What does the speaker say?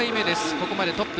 ここまでトップ。